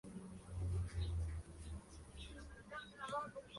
Habita en Siberia y Japón.